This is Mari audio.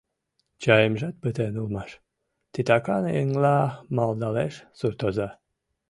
— Чаемжат пытен улмаш, — титакан еҥла малдалеш суртоза.